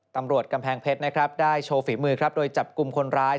ตำรวจกำแพงเพชรได้โชว์ฝีมือโดยจับกลุ่มคนร้าย